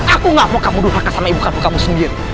aku gak mau kamu durhaka sama ibu kamu sendiri